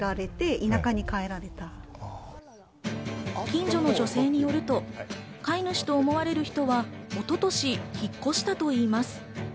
近所の女性によると、飼い主と思われる人は一昨年、引っ越したといいます。